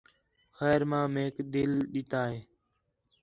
خیر ماں میک دِل ݙِتا ہِے